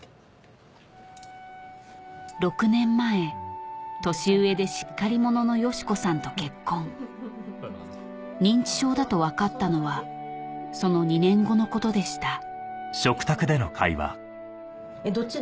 ６年前年上でしっかり者の佳子さんと結婚認知症だと分かったのはその２年後のことでしたえっどっち？